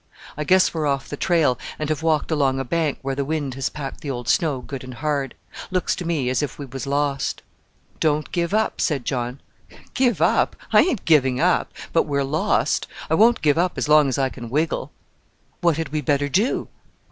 "I guess we're off the trail, and have walked along a bank where the wind has packed the old snow good and hard. Looks to me as if we was lost." "Don't give up," said John. "Give up! I ain't giving up; but we're lost. I won't give up as long as I can wiggle." "What had we better do?"